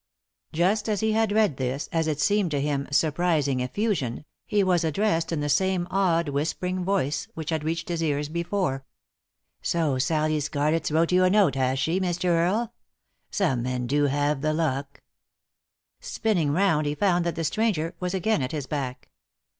Just as he had read this, as it seemed to him, surprising effusion, he was addressed in the same odd whispering voice which had reached his ears before. "So Sallie Scarlett's wrote you a note, has she, Mr. Earle ? Some men do have the luck I " Spinning round, he found that the stranger was again at his back.